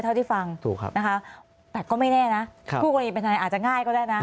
เท่าที่ฟังนะคะแต่ก็ไม่แน่นะคู่กรณีเป็นทนายอาจจะง่ายก็ได้นะ